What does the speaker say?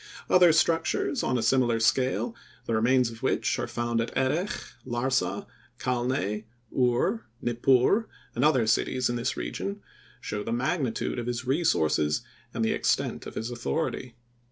Other structures on a similar scale, the remains of which are found at Erech, Larsa, Calneh, Ur, Nippur and other cities in this region, show the magnitude of his resources and the extent of his authority.